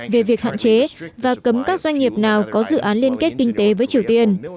về việc hạn chế và cấm các doanh nghiệp nào có dự án liên kết kinh tế với triều tiên